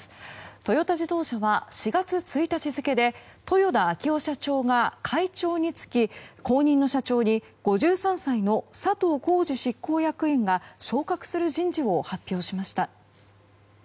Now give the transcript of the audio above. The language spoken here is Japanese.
トヨタ自動車は４月１日付で豊田章男社長が会長に就き後任の社長に５３歳の佐藤恒治執行役員が昇格する人事を発表しました。